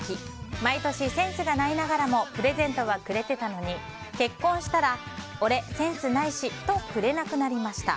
毎年、センスがないながらもプレゼントはくれてたのに結婚したら俺、センスないしとくれなくなりました。